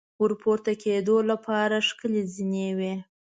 ور پورته کېدو لپاره ښکلې زینې وې.